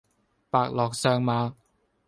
伯樂相馬